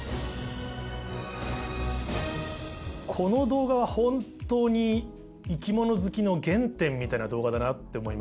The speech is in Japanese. この動画は本当に生き物好きの原点みたいな動画だなって思いました。